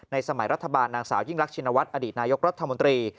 สมัยรัฐบาลนางสาวยิ่งรักชินวัฒน์อดีตนายกรัฐมนตรี